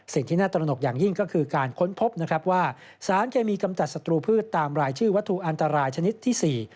สิ่งที่น่าตระหนกอย่างยิ่งก็คือการค้นพบนะครับว่าสารเคมีกำจัดศัตรูพืชตามรายชื่อวัตถุอันตรายชนิดที่๔